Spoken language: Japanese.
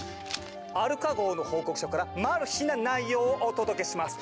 「アルカ号の報告書」からな内容をお届けします。